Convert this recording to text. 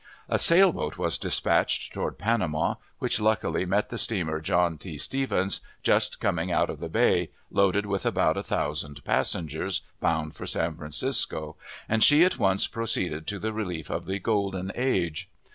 A sailboat was dispatched toward Panama, which luckily met the steamer John T. Stephens, just coming out of the bay, loaded with about a thousand passengers bound for San Francisco, and she at once proceeded to the relief of the Golden Age.